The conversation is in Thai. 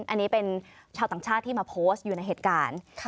อันนี้เป็นชาวต่างชาติที่มาโพสต์อยู่ในเหตุการณ์